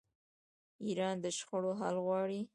ایران د شخړو حل غواړي.